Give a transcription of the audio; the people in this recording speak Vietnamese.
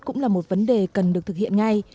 cũng là một vấn đề cần được thực hiện ngay